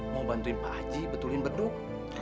mau bantuin pak haji betulin bentuk